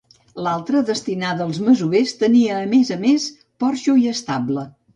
L'altra, destinada als masovers, tenia a més a més porxo i estable.